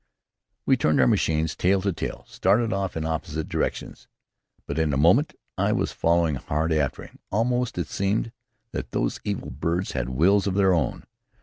We turned our machines tail to tail and started off in opposite directions, but in a moment I was following hard after him. Almost it seemed that those evil birds had wills of their own.